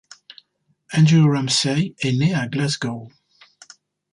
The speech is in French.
Andrew Ramsay est né à Glasgow.